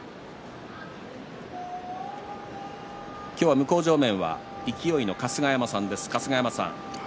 向正面は勢の春日山さんです。